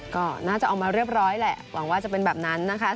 ก็น่าจะออกมาเรียบร้อยแหละหวังว่าจะเป็นแบบนั้นนะคะ